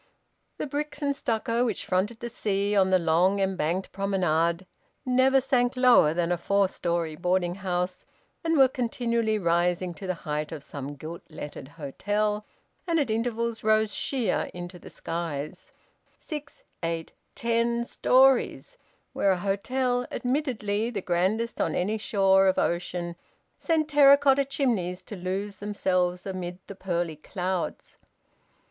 The bricks and stucco which fronted the sea on the long embanked promenade never sank lower than a four storey boarding house, and were continually rising to the height of some gilt lettered hotel, and at intervals rose sheer into the skies six, eight, ten storeys where a hotel, admittedly the grandest on any shore of ocean sent terra cotta chimneys to lose themselves amid the pearly clouds.